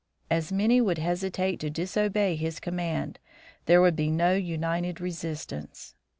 As many would hesitate to disobey his command, there would be no united resistance.